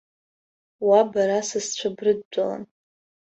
Уа бара асасцәа брылатәан.